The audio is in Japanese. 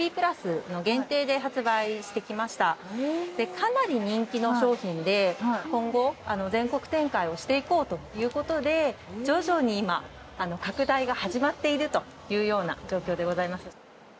かなり人気の商品で今後全国展開をしていこうということで徐々に今拡大が始まっているというような状況でございます。